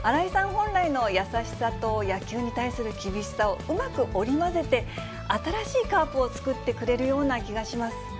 本来の優しさと野球に対する厳しさをうまく織り交ぜて、新しいカープを作ってくれるような気がします。